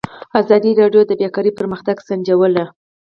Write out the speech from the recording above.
ازادي راډیو د بیکاري پرمختګ سنجولی.